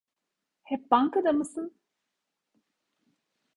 Hep bankada mısın?